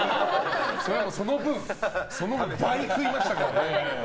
その分、倍食いましたからね。